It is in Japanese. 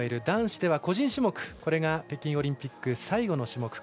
男子では個人種目これが北京オリンピック最後の種目。